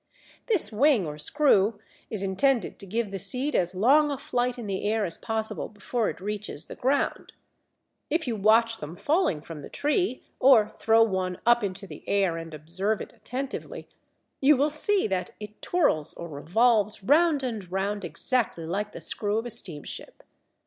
This wing or screw is intended to give the seed as long a flight in the air as possible before it reaches the ground. If you watch them falling from the tree, or throw one up into the air and observe it attentively, you will see that it twirls or revolves round and round exactly like the screw of a steamship.